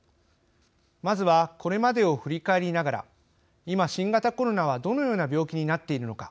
まずは、これまでを振り返りながら今、新型コロナはどのような病気になっているのか